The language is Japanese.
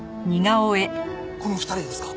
この２人ですか？